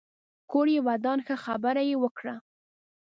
کور يې ودان ښه خبره يې وکړه